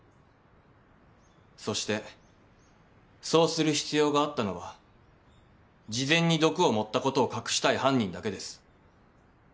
そしてそうする必要があったのは事前に毒を盛ったことを隠したい犯人だけです。